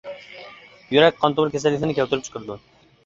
يۈرەك قان تومۇر كېسەللىكلىرىنى كەلتۈرۈپ چىقىرىدۇ.